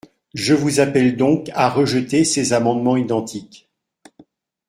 Je vous appelle donc à rejeter ces amendements identiques.